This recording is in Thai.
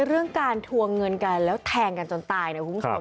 เรื่องการทวงเงินกันแล้วแทงกันจนตายนะคุณผู้ชม